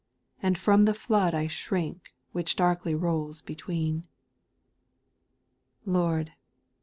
And from the flood I shrink, which darkly rolls between. 4. Lord